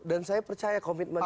dan saya percaya komitmennya